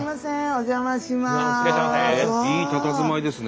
お邪魔します。